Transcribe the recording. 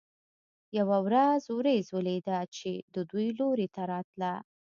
یوه ورځ ورېځ ولیده چې د دوی لوري ته راتله.